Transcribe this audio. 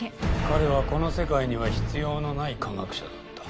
彼はこの世界には必要のない科学者だった。